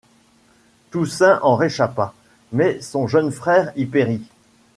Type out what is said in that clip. Toussaint en réchappa, mais son jeune frère y périt.